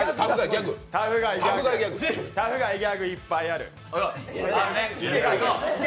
タフガイ、ギャグいっぱいある。